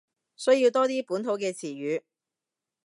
需要多啲本土嘅詞語